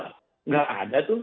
tidak ada itu